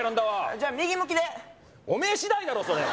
じゃあ右向きでおめえ次第だろそれ！